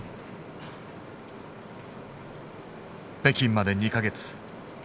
北京まで２か月。